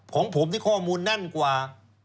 ของผมด้วยข้อมูลนั่นกว่า